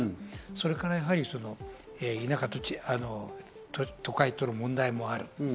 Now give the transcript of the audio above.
それから、田舎と都会の問題もある。